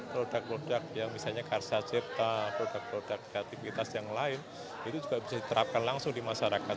produk produk yang misalnya karsa cipta produk produk kreatifitas yang lain itu juga bisa diterapkan langsung di masyarakat